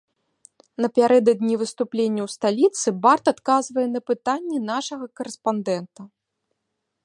Напярэдадні выступлення ў сталіцы бард адказвае на пытанні нашага карэспандэнта.